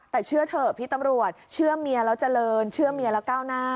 แต่เชื่อเถอะพี่ตำรวจเชื่อเมียแล้วเจริญเชื่อเมียแล้วก้าวหน้า